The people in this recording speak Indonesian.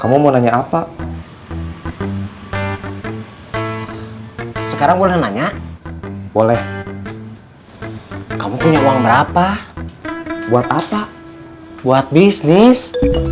kamu mau nanya apa sekarang boleh nanya boleh kamu punya uang berapa buat apa buat bisnis